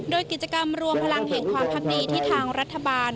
โดยกิจกรรมรวมพลังแห่งความพักดีที่ทางรัฐบาล